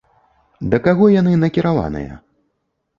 Да каго яны накіраваныя?